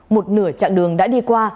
một nửa chặng đường đã đi qua